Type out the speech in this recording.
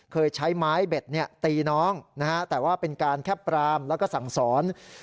เคยใช้ไม้เบ็ดตีน้องนะฮะแต่ว่าเป็นการแค่ปรามแล้วก็สั่งสอน